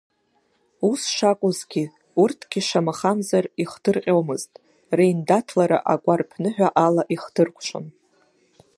Ус шакәызгьы, урҭгьы, шамахамзар, ихдырҟьомызт, реиндаҭлара агәарԥныҳәа ала ихдыркәшон.